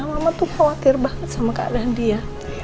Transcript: mama tuh khawatir banget sama keadaan dia